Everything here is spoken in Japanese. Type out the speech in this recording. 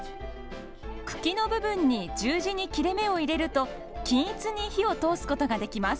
茎の部分に十字に切れ目を入れると均一に火を通すことができます。